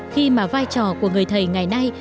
khi mà vai trò của người thầy ngày nay